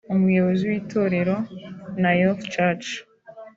Umuyobozi w’itorero Nayoth Church